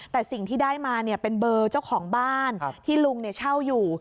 แต่สิ่งที่ได้มาเป็นเบอร์เจ้าของบ้านที่ลุงเช่าอยู่